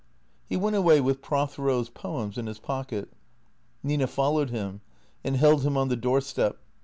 He went away with Prothero's poems in his pocket. Nina followed him and held him on the doorstep.